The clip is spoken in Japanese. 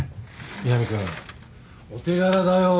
南君お手柄だよ。